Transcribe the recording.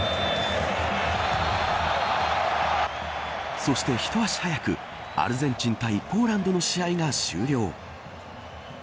そして一足早くアルゼンチン対ポーランドの試合が終了。